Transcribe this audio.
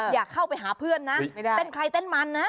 อยากเข้าไปหาเพื่อนนะไม่ได้เต้นใครเต้นมันนะ